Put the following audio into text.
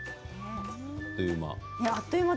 あっという間。